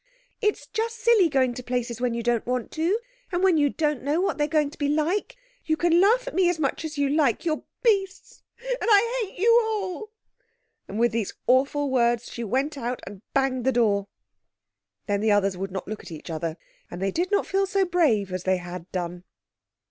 It's just silly going to places when you don't want to, and when you don't know what they're going to be like! You can laugh at me as much as you like. You're beasts—and I hate you all!" With these awful words she went out and banged the door. Then the others would not look at each other, and they did not feel so brave as they had done.